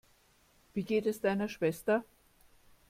Wie geht es deiner Schwester?